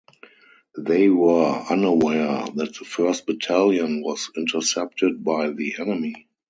They were unaware that the first battalion was intercepted by the enemy.